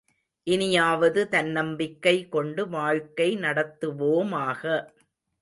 இனியாவது தன்னம்பிக்கை கொண்டு வாழ்க்கை நடத்துவோமாக.